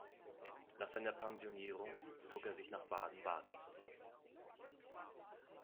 Nach seiner Pensionierung zog er sich nach Baden-Baden zurück.